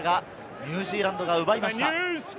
ニュージーランドが奪いました。